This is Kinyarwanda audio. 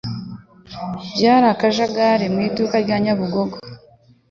Byari akajagari mu iduka rya Nyabugogo.